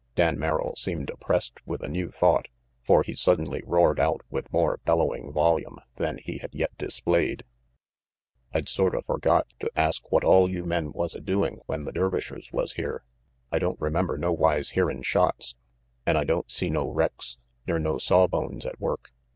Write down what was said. Dan Merrill seemed oppressed with a new thought, for he suddenly roared out with more bellowing volume than he had yet displayed: "I'd sorta forgot to ask what all you men was a doing when the Dervishers was here. I don't remem ber nowise hearin' shots. An' I don't see no wrecks ner no sawbones at work.